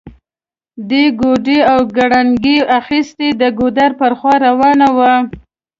دې ګوډی او غړانګۍ اخيستي، د ګودر پر خوا روانه وه